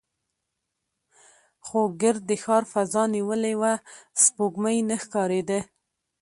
خو ګرد د ښار فضا نیولې وه، سپوږمۍ نه ښکارېده.